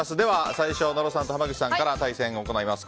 最初、野呂さんと濱口さんから対戦を行います。